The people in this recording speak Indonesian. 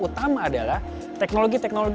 utama adalah teknologi teknologi